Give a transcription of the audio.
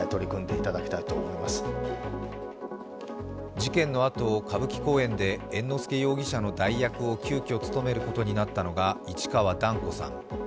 事件のあと歌舞伎公演で猿之助容疑者の代役を急きょ務めることになったのが市川團子さん。